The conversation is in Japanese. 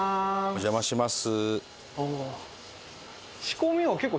お邪魔します。